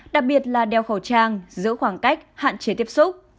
đặc biệt là đeo khẩu trang giữ khoảng cách hạn chế tiếp xúc